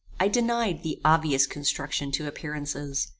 I denied the obvious construction to appearances.